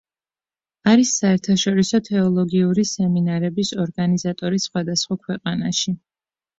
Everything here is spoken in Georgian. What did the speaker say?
არის საერთაშორისო თეოლოგიური სემინარების ორგანიზატორი სხვადასხვა ქვეყანაში.